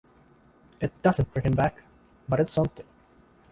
It doesn't bring him back, but it's something.